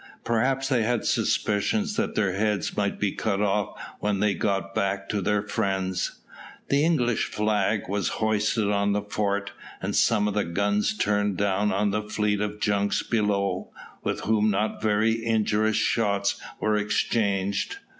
Perhaps they had suspicions that their heads might be cut off when they got back to their friends. The English flag was hoisted on the fort, and some of the guns turned down on the fleet of junks below, with whom not very injurious shots were exchanged.